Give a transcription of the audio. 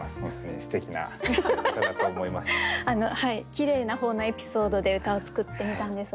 きれいな方のエピソードで歌を作ってみたんですが。